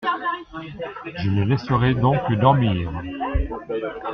Je le laisserai donc dormir.